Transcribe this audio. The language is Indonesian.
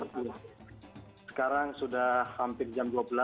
sekarang sudah hampir jam dua belas